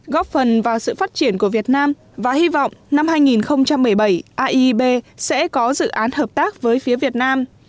góp phần vào sự phát triển của việt nam và hy vọng năm hai nghìn một mươi bảy aib sẽ có dự án hợp tác với phía việt nam